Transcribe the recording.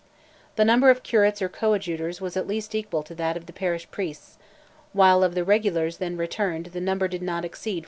The number of curates or coadjutors was at least equal to that of the parish priests; while of regulars then returned the number did not exceed 450.